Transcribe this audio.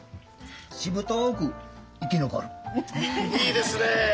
いいですねえ。